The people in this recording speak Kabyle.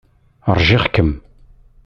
Ṛjiɣ-kem.